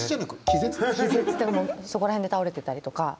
気絶ってそこら辺で倒れてたりとか。